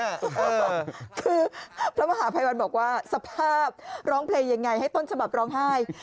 คือพระมหาภัยวันบอกว่าสภาพร้องเพลงยังไงให้ต้นฉบับร้องไห้